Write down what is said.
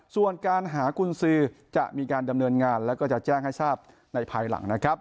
ส่วนการหากุญสือจะมีการดำเนินงานแล้วก็จะแจ้งให้ทราบในภายหลังนะครับ